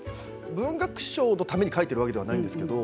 文学賞のために書いているわけではないんですけど